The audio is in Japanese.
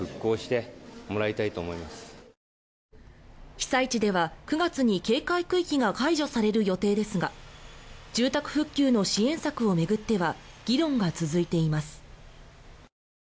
被災地では９月に警戒区域が解除される予定ですが住宅復旧の支援策を巡っては議論が続いています。